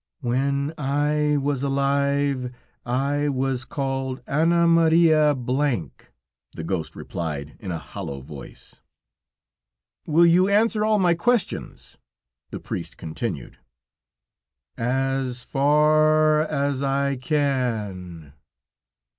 "When I was alive, I was called Anna Maria B ," the ghost replied in a hollow voice. "Will you answer all my questions?" the priest continued. "As far as I can."